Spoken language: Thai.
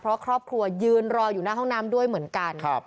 เพราะครอบครัวยืนรออยู่หน้าห้องน้ำด้วยเหมือนกัน